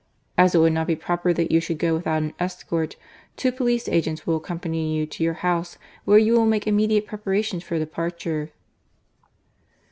As it would not be proper that you should go without an escort, two police agents will accompany you to your house, where you will make immediate preparations for departure."